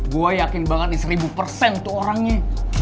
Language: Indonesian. gue yakin banget nih seribu persen tuh orangnya